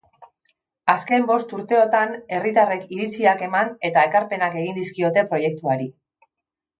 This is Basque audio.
Azken bost urteotan, herritarrek iritziak eman eta ekarpenak egin dizkiote proiektuari.